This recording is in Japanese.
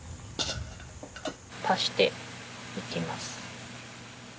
足していきます。